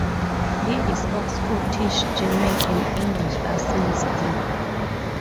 He is of Scottish, German and English ancestry.